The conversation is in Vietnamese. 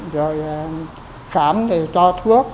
rồi khám thì cho thuốc